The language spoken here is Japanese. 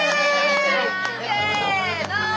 せの。